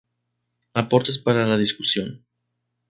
Aportes para la discusión.